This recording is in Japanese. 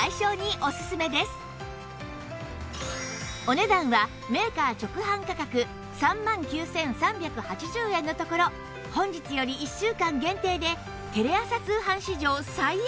お値段はメーカー直販価格３万９３８０円のところ本日より１週間限定でテレ朝通販史上最安値！